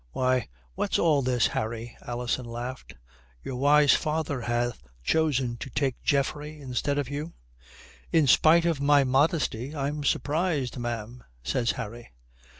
"Why, what's all this, Harry?" Alison laughed. "Your wise father hath chosen to take Geoffrey instead of you?" "In spite of my modesty, I'm surprised, ma'am," says Harry.